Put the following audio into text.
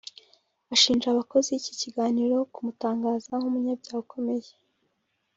Ashinja abakoze iki kiganiro kumutangaza nk’umunyabyaha ukomeye